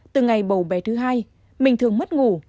từ ngày bầu bé thứ hai mình thường mất ngủ